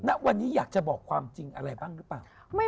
ณวันนี้อยากจะบอกความจริงอะไรบ้างหรือเปล่า